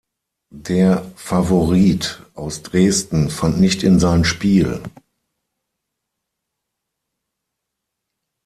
Der Favorit aus Dresden fand nicht in sein Spiel.